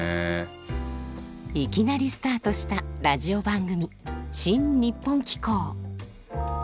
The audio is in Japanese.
いきなりスタートしたラジオ番組「シン・にっぽん聴こう！」。